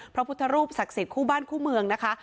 พระพุทธรูปศักดิ์สิทธิคู่บ้านคู่เมืองนะคะ